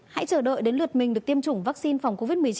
hãy chờ đợi đến lượt mình được tiêm chủng vaccine phòng covid một mươi chín